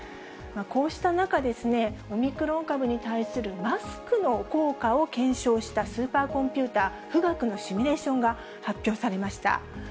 こうした中、オミクロン株に対するマスクの効果を検証したスーパーコンピューター富岳のシミュレーションが発表されました。